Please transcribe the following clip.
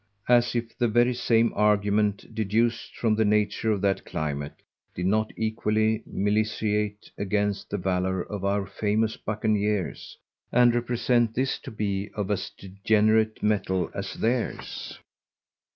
As if the very same Argument, deduced from the nature of that Climate, did not equally militate against the valour of our famous Bucaniers, and represent this to be of as degenerate Metal as theirs.